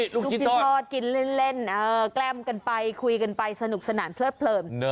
ลูกชิ้นทอดกินเล่นแกล้มกันไปคุยกันไปสนุกสนานเพลิดเพลิน